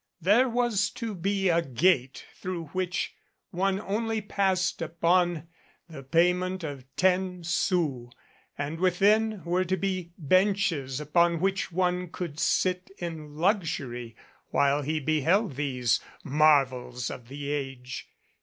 There was to be a gate through which one only passed upon the payment of ten sous, and within were to be benches upon which one could sit in luxury while he beheld these mar vels of the age.